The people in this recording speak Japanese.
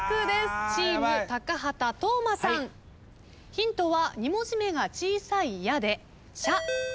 ヒントは２文字目が小さい「や」で。